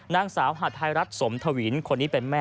นางสาวหาดไทยรัฐสมทวินคนนี้เป็นแม่